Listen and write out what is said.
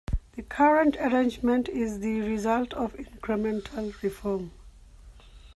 The current arrangement is the result of incremental reform.